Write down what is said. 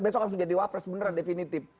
besok harus jadi wapres beneran definitif